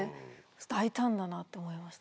大胆だなと思いました。